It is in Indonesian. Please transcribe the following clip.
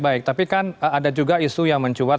baik tapi kan ada juga isu yang mencuat